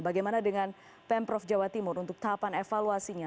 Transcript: bagaimana dengan pemprov jawa timur untuk tahapan evaluasinya